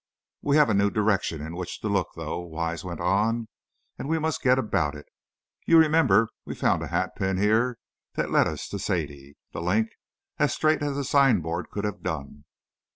"We have a new direction in which to look, though," Wise went on, "and we must get about it. You remember, we found a hatpin here that led us to Sadie, 'The Link,' as straight as a signboard could have done."